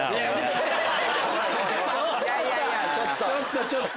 ちょっとちょっと！